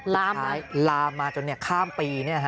ลามลามมาจนเนี่ยข้ามปีเนี่ยฮะ